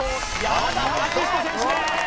山田章仁選手です